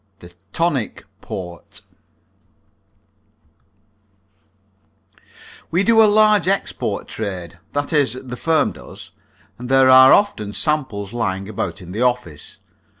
THE TONIC PORT We do a large export trade (that is, the firm does), and there are often samples lying about in the office.